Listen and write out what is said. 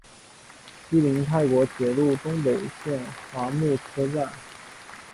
西邻泰国铁路东北线华目车站。